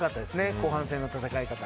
後半戦の戦い方。